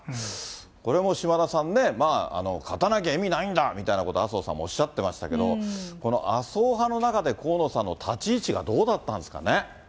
これも島田さんね、勝たなきゃ意味ないんだみたいなことを麻生さんもおっしゃってましたけど、麻生派の中で河野さんの立ち位置がどうだったんですかね。